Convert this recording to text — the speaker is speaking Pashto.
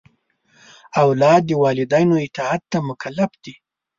اولاد د والدینو اطاعت ته مکلف دی.